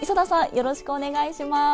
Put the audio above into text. よろしくお願いします。